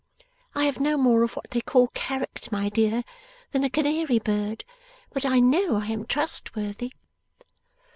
I have no more of what they call character, my dear, than a canary bird, but I know I am trustworthy.